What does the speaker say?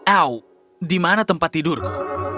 au di mana tempat tidurku